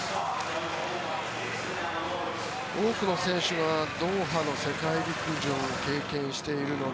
多くの選手はドーハの世界陸上を経験しているので